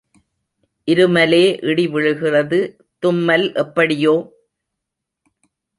இருமலே இடி விழுகிறது தும்மல் எப்படியோ?